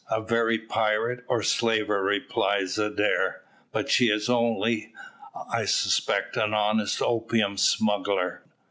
"A very pirate or slaver," replied Adair, "but she is only, I suspect, an honest opium smuggler."